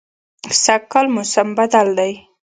سږکال موسم بدل دی